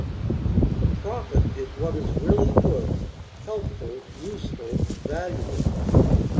the profit is what is really good, helpful, useful, valuable.